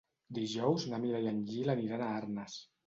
Dijous na Mira i en Gil aniran a Arnes.